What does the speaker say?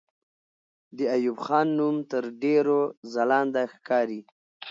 د ایوب خان نوم تر ډېرو ځلانده ښکاري.